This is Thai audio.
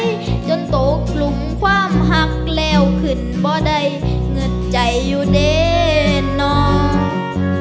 จนตกลุ่มความหักแล้วขึ้นบ่ได้เหงือใจอยู่เด้นเนาะ